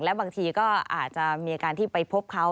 และบางทีก็อาจจะมีอาการที่ไปพบเขา